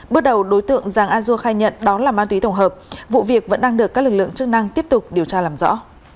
bước đầu đối tượng giàng a dua khai nhận đó là ma túy tổng hợp vụ việc vẫn đang được các lực lượng chức năng tiếp tục điều tra làm rõ